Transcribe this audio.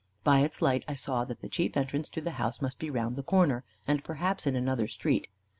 By its light I saw that the chief entrance to the house must be round the corner, and perhaps in another street.